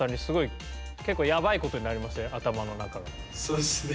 そうですね。